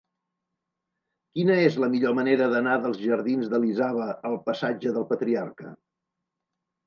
Quina és la millor manera d'anar dels jardins d'Elisava al passatge del Patriarca?